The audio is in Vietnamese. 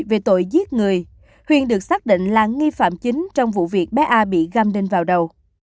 về tội giết người huyền được xác định là nghi phạm chính trong vụ việc bé a bị găm đinh vào đầu